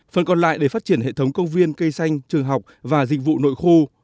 phần còn lại để phát triển hệ thống công viên cây xanh trường học và dịch vụ nội khu